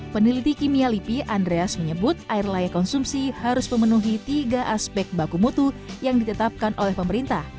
peneliti kimia lipi andreas menyebut air layak konsumsi harus memenuhi tiga aspek baku mutu yang ditetapkan oleh pemerintah